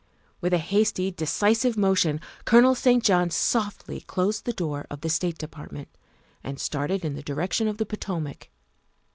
With a hasty, decisive motion Colonel St. John softly closed the door of the State Department and started in the direction of the Potomac.